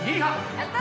やった！